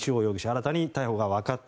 新たに逮捕が分かった